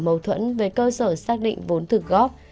màu thuẫn với cơ sở xác định vốn thực góp